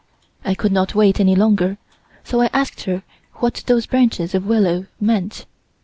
I could not wait any longer, so I asked her what those branches of willow meant.